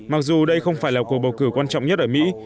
mặc dù đây không phải là cuộc bầu cử quan trọng nhất ở mỹ